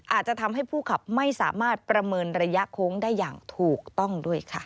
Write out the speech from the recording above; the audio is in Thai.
อาจจะทำให้ผู้ขับไม่สามารถประเมินระยะโค้งได้อย่างถูกต้องด้วยค่ะ